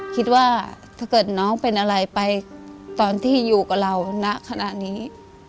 คิดว่าถ้าเกิดน้องเป็นอะไรไปตอนที่อยู่กับเราณขณะนี้